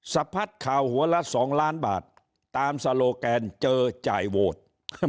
สะพัดข่าวหัวละ๒ล้านบาทตามสโลแกนเจอจ่ายโหวต